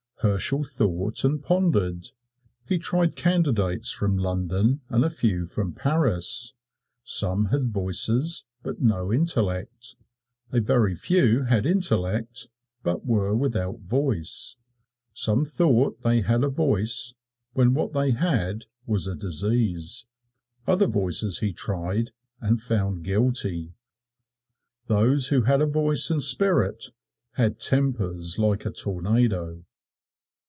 Herschel thought and pondered. He tried candidates from London and a few from Paris. Some had voices, but no intellect. A very few had intellect, but were without voice. Some thought they had a voice when what they had was a disease. Other voices he tried and found guilty. Those who had voice and spirit had tempers like a tornado.